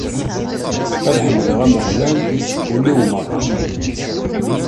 Ad ḥemdeɣ Ameɣlal seg wul-iw merra.